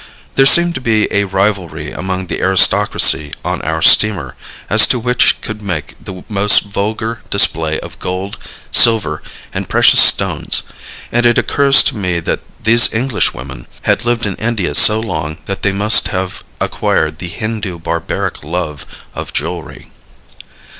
There seemed to be a rivalry among the aristocracy on our steamer as to which could make the most vulgar display of gold, silver and precious stones, and it occurs to me that these Englishwomen had lived in India so long that they must have acquired the Hindu barbaric love of jewelry.